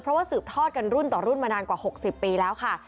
เพราะว่าสืบทอดกันรุ่นต่อรุ่นมานานกว่า๖๐ปีแล้วค่ะ